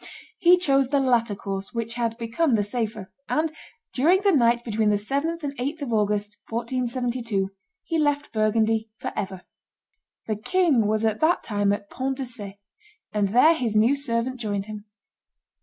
He chose the latter course, which had become the safer; and during the night between the 7th and 8th of August, 1472, he left Burgundy forever. The king was at that time at Ponts de Ce, and there his new servant joined him."